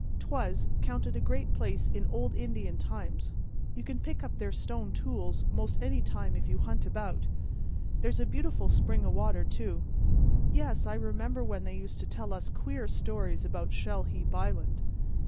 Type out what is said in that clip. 'Twas 'counted a great place in old Indian times; you can pick up their stone tools 'most any time if you hunt about. There's a beautiful spring o' water, too. Yes, I remember when they used to tell queer stories about Shell heap Island.